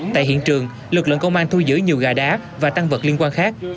tại hiện trường lực lượng công an thu giữ nhiều gà đá và tăng vật liên quan khác